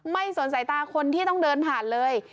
สนสายตาคนที่ต้องเดินผ่านเลย